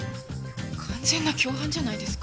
完全な共犯じゃないですか。